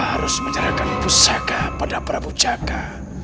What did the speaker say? harus menyerahkan pusaka pada prabu jaga